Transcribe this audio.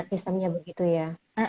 oh sistemnya begitu ya